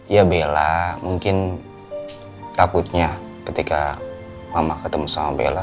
ya bella mungkin takutnya ketika mama ketemu sama bella